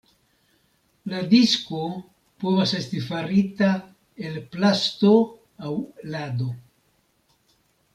La disko povas esti farita el plasto aŭ lado.